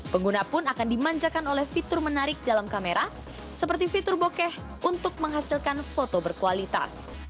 pengguna pun akan dimanjakan oleh fitur menarik dalam kamera seperti fitur bokeh untuk menghasilkan foto berkualitas